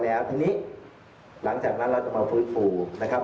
แล้วทีนี้หลังจากนั้นเราจะมาฟื้นฟูนะครับ